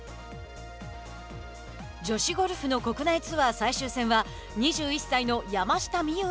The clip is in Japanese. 女子ゴルフの国内ツアー最終戦は山下美夢